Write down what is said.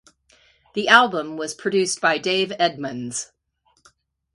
The album was produced by Dave Edmunds.